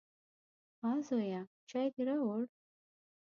_ها زويه، چای دې راووړ؟